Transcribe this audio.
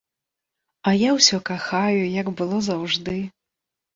А я ўсё кахаю, як было заўжды.